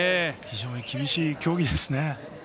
非常に厳しい競技ですね。